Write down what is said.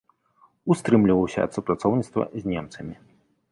Устрымліваўся ад супрацоўніцтва з немцамі.